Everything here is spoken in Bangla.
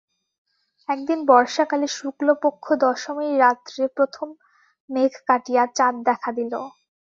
একদিন বর্ষাকালে শুক্লপক্ষ দশমীর রাত্রে প্রথম মেঘ কাটিয়া চাঁদ দেখা দিল।